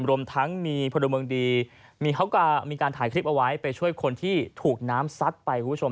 รวมทั้งมีพลเมืองดีมีเขาก็มีการถ่ายคลิปเอาไว้ไปช่วยคนที่ถูกน้ำซัดไปคุณผู้ชม